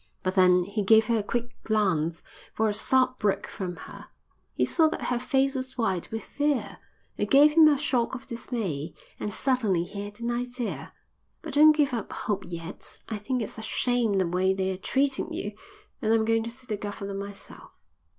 But then he gave her a quick glance, for a sob broke from her. He saw that her face was white with fear. It gave him a shock of dismay. And suddenly he had an idea. "But don't give up hope yet. I think it's a shame the way they're treating you and I'm going to see the governor myself."